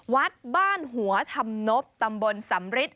วัดบ้านหัวธำนบตำบลสำริษฐ์